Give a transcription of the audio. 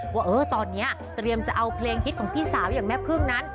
ว่าตอนนี้เตรียมจะเอาเพลงฮิตของพี่สาวอย่างแม่พึ่งนั้น